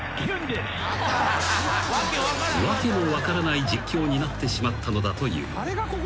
［訳の分からない実況になってしまったのだという］